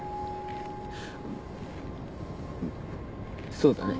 そうだね